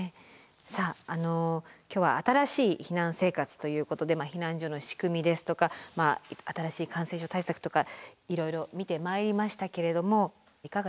さあ今日は新しい避難生活ということで避難所の仕組みですとかまあ新しい感染症対策とかいろいろ見てまいりましたけれどもいかがでした？